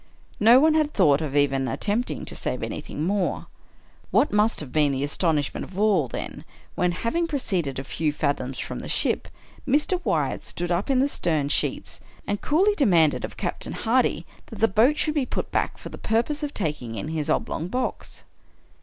No one had thought of even at tempting to save anything more. What must have been the astonishment of all, then, when, having proceeded a few fathoms from the ship, Mr. Wyatt stood up in the stern 121 American Mystery Stories sheets, and coolly demanded of Captain Hardy that the boat should be put back for the purpose of taking in his oblong box!